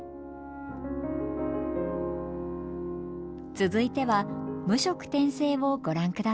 続いては「無職転生」をご覧ください。